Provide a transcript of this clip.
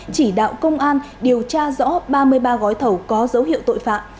chỉ đạo công an điều tra rõ ba mươi ba gói thầu có dấu hiệu tội phạm